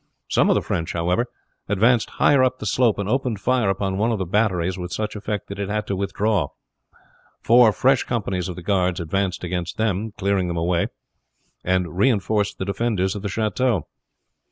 Some of the French, however, advanced higher up the slope, and opened fire upon one of the batteries with such effect that it had to withdraw. Four fresh companies of the guards advanced against them, cleared them away, and reinforced the defenders of the chateau.